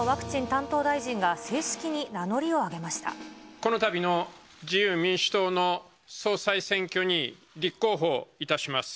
このたびの自由民主党の総裁選挙に立候補いたします。